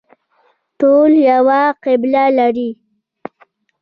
ټول یوه قبله لري